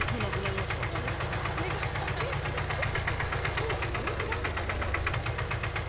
甲を両手出していただいてよろしいでしょうか。